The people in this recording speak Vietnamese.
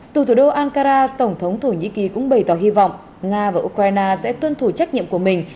từ thủ đô ankara tổng thống thổ nhĩ kỳ cũng bày tỏ hy vọng nga và ukraine sẽ tuân thủ trách nhiệm của mình